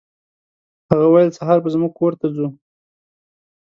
هغه ویل سهار به زموږ کور ته ځو.